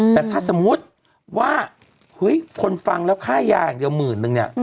แต่ถ้าสมมุติว่าเฮ้ยคนฟังแล้วค่ายาอย่างเดียวหมื่นนึงเนี่ย